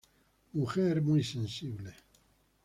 Mujer muy sensible.